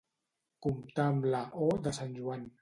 Comptar amb la «o» de sant Joan.